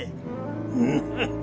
フフフ。